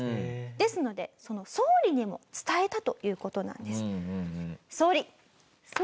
ですので総理にも伝えたという事なんです。